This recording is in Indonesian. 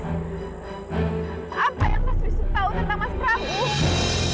apa yang mas wisnu tau tentang mas prabu